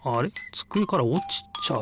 つくえからおちちゃう。